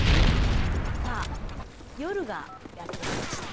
さあ夜がやってきました。